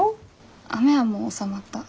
雨はもう収まった。